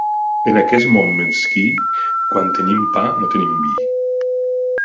En aquest món mesquí, quan tenim pa, no tenim vi.